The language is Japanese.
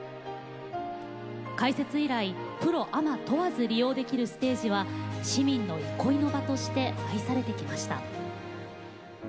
開設以来プロアマ問わず利用できるステージは市民の憩いの場として愛されてきました。